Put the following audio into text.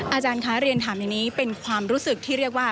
อาจารย์คะเรียนถามอย่างนี้เป็นความรู้สึกที่เรียกว่า